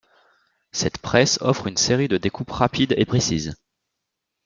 Cette presse offre une série de découpe rapide et précise.